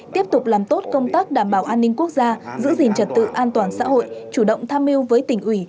tiếp tục làm tốt công tác đảm bảo an ninh quốc gia giữ gìn trật tự an toàn xã hội chủ động tham mưu với tỉnh ủy